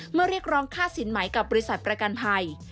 เรียกร้องค่าสินใหม่กับบริษัทประกันภัย